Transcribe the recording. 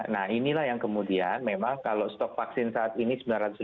nah inilah yang kemudian memang kalau stok vaksin saat ini sembilan ratus tujuh puluh